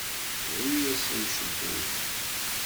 Bru-as i ucebbub.